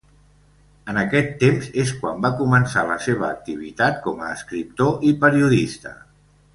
En aquest temps és quan va començar la seva activitat com a escriptor i periodista.